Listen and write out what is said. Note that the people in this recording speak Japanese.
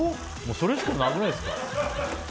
それしかなくないですか。